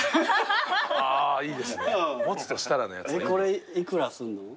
これ幾らすんの？